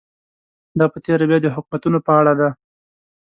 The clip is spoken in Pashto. دا په تېره بیا د حکومتونو په اړه ده.